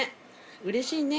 うれしいね！